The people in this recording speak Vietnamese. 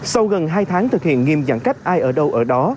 sau gần hai tháng thực hiện nghiêm giãn cách ai ở đâu ở đó